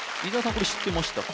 これ知ってましたか？